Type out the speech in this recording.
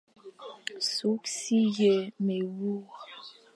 Sukh si ye mewur,